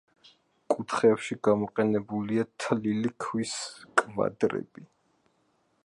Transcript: კუთხეებში გამოყენებულია თლილი ქვის კვადრები.